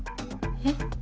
えっ？